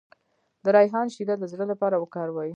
د ریحان شیره د زړه لپاره وکاروئ